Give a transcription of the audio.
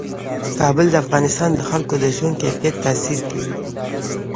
کابل د افغانستان د خلکو د ژوند کیفیت تاثیر کوي.